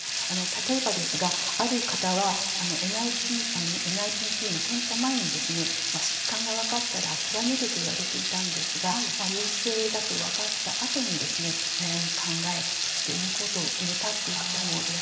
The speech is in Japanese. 例えばですが、ある方はＮＩＰＴの検査前に疾患が分かったら諦めると言われていたんですが陽性だと分かったあとに悩み考えそして産むことを決めたという方もいらっしゃいます。